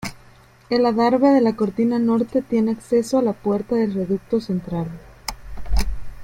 El adarve de la cortina norte tiene acceso a la puerta del reducto central.